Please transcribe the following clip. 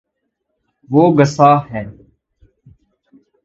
وہ گصاہ ہے